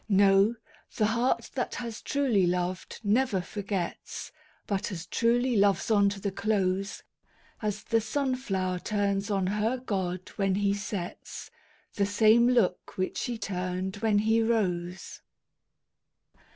No, the heart that has truly loved never forgets, But as truly loves on to the close, As the sunflower turns on her god when he sets The same look which she turned when he rose!